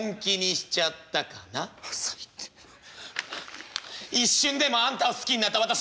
「一瞬でもあんたを好きになった私がバカだった。